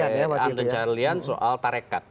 waktu itu diserang oleh anton kharlian soal tarekat